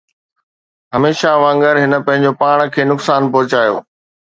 هميشه وانگر، هن پنهنجو پاڻ کي نقصان پهچايو.